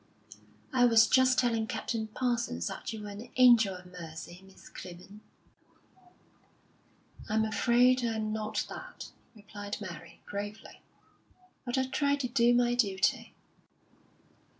"I was just telling Captain Parsons that you were an angel of mercy, Miss Clibborn." "I'm afraid I'm not that," replied Mary, gravely. "But I try to do my duty."